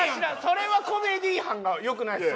それはコメディー班が良くないです